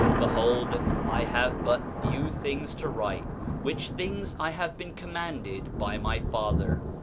Behold, I have but few things to write, which things I have been commanded by my father.